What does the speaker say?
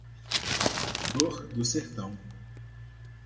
Flor do Sertão